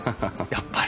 やっぱり。